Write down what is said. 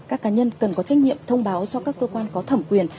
các cá nhân cần có trách nhiệm thông báo cho các cơ quan có thẩm quyền